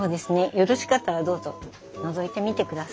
よろしかったらどうぞのぞいてみてください。